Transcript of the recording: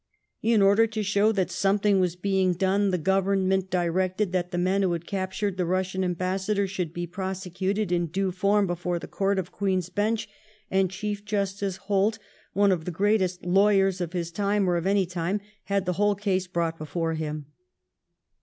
In order to show that something was being done, the Government directed that the men who had captured the Eussian ambassador should be prosecuted in due form before the Court of Queen's Bench, and Chief Justice Holt, one of the greatest lawyers of his time, or of any time, had the whole case brought before him.